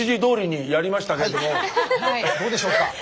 どうでしょうか？